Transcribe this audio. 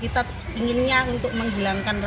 kita inginnya untuk menghilangkannya